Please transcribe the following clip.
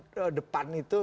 di belakang panggung depan itu